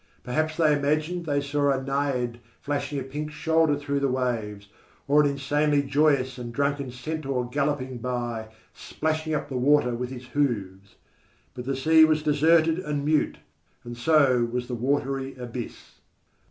Perhaps they imagined they saw a naiad flashing a pink shoulder through the waves, or an insanely joyous and drunken centaur galloping by, splashing up the water with his hoofs. But the sea was deserted and mute, and so was the watery abyss.